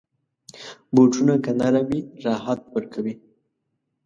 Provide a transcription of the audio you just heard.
بوټونه که نرم وي، راحت ورکوي.